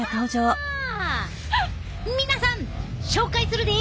皆さん紹介するで！